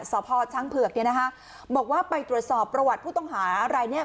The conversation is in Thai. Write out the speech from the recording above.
สพช้างเผือกเนี่ยนะคะบอกว่าไปตรวจสอบประวัติผู้ต้องหาอะไรเนี่ย